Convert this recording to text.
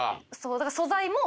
だから素材も。